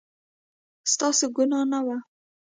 ستاسو ګناه نه وه